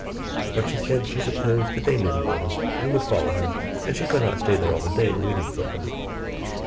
But she said she supposed that they knew the road, and would follow her, and she could not stay there all day waiting for them.